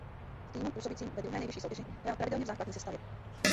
V týmu působícím ve druhé nejvyšší soutěži hrál pravidelně v základní sestavě.